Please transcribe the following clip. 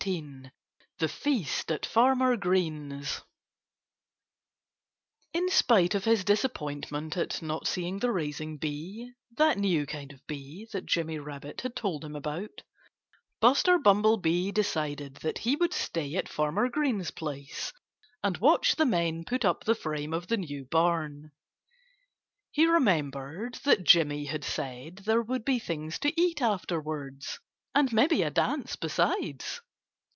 XIX THE FEAST AT FARMER GREEN'S In spite of his disappointment at not seeing the raising bee (that new kind of bee that Jimmy Rabbit had told him about) Buster Bumblebee decided that he would stay at Farmer Green's place and watch the men put up the frame of the new barn. He remembered that Jimmy had said there would be things to eat afterwards and maybe a dance, besides.